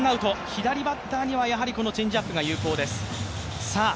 左バッターにはやはりこのチェンジアップが有効です。